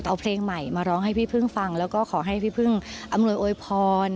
เอาเพลงใหม่มาร้องให้พี่พึ่งฟังแล้วก็ขอให้พี่พึ่งอำนวยอวยพร